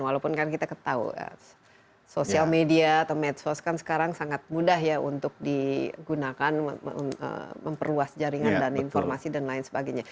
walaupun kan kita tahu sosial media atau medsos kan sekarang sangat mudah ya untuk digunakan memperluas jaringan dan informasi dan lain sebagainya